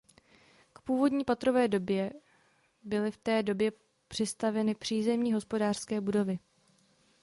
K původní patrové době byly v té době přistavěny přízemní hospodářské budovy.